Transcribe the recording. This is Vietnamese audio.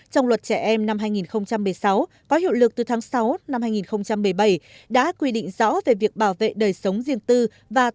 trong luật trẻ em năm hai nghìn một mươi sáu có hiệu lực từ tháng sáu năm hai nghìn một mươi bảy đã quy định rõ về việc bảo vệ đời sống riêng tư và